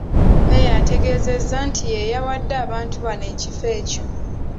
Mmeeya ategeezezza nti ye yawadde abantu bano ekifo ekyo.